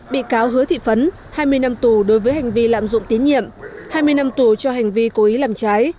bị cáo hứa thị phấn hai mươi năm tù đối với hành vi lạm dụng tín nhiệm hai mươi năm tù cho hành vi cố ý làm trái